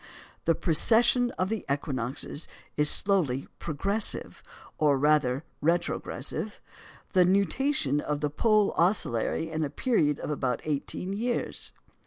The precession of the equinoxes is slowly progressive, or rather retrogressive; the nutation of the pole oscillatory in a period of about eighteen years.